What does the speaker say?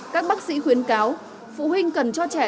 các bác sĩ khuyến cáo phụ huynh cần cho trẻ